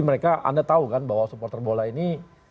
mereka anda tahu kan bahwa supporter bola ini